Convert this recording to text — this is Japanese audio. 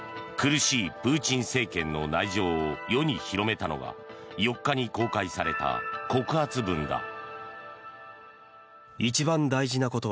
苦しいプーチン政権の内情を世に広めたのは４日に公開された告発文だ。